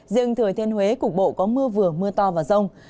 riêng thừa thiên huế cục bộ có mưa vừa mưa to và rông